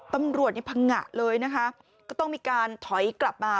ตำรวจเนี่ยพังงะเลยนะคะก็ต้องมีการถอยกลับมา